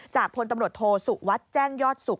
จากพธโศวัสย์แจ้งยอดสุก